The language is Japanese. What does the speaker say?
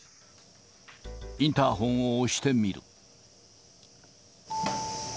インターホンを押してみる。